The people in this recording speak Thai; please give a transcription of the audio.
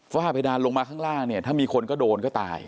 ฝ้าเพดานลงมาข้างล่างเนี่ยถ้ามีคนก็โดนก็ตาย